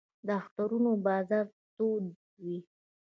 د اخترونو بازار تود وي